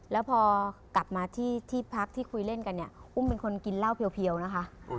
แล้วพอกลับมาที่พักที่คุยเล่นกันเนี่ยอุ้มเป็นคนกินเหล้าเพียวนะคะ